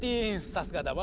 さすがだわ。